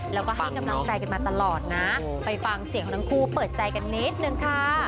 แล้วก็ให้กำลังใจกันมาตลอดนะไปฟังเสียงของทั้งคู่เปิดใจกันนิดนึงค่ะ